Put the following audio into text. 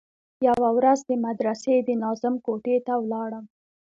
يوه ورځ د مدرسې د ناظم کوټې ته ولاړم.